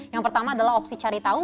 yang pertama adalah opsi cari tahu